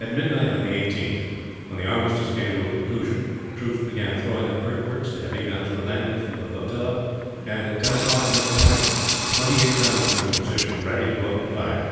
At midnight on the 18th, when the armistice came to a conclusion, the troops began throwing up earthworks, the heavy guns were landed from the flotilla and, at ten o'clock the next morning, twenty eight guns were in position ready to open fire.